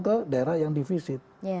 ke daerah yang divisit